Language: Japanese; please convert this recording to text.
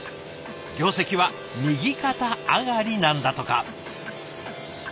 業績は右肩上がりなんだとか。